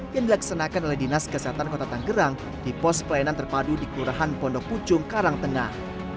yang dilaksanakan oleh dinas kesehatan kota tanggerang di pos pelayanan terpadu di kelurahan pondok pucung karangtengah